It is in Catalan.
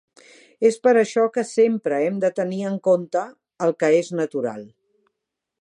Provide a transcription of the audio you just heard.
És per això que sempre hem de tenir en compte el que és natural.